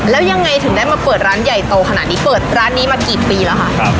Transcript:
แล้วยังไงถึงได้มาเปิดร้านใหญ่โตขนาดนี้เปิดร้านนี้มากี่ปีแล้วคะ